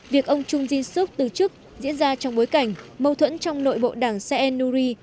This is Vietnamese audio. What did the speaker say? việc ông chung jin suk từ chức diễn ra trong bối cảnh mâu thuẫn trong nội bộ đảng se en nuri